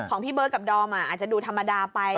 พี่เบิร์ตกับดอมอาจจะดูธรรมดาไป